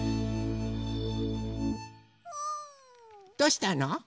どうしたの？